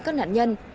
các nạn nhân